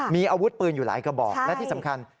มีอาวุธปืนอยู่หลายกระบอกและที่สำคัญ